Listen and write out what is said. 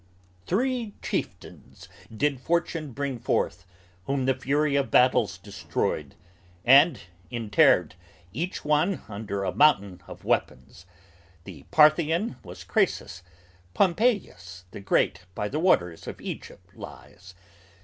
"Three chieftains did fortune bring forth, whom the fury of battles Destroyed; and interred, each one under a mountain of weapons; The Parthian has Crassus, Pompeius the Great by the waters Of Egypt lies.